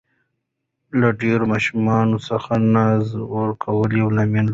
له ډېرو ماشومانو څخه ناز ورکول یو لامل دی.